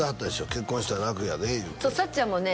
結婚したら楽やで言うてさっちゃんもね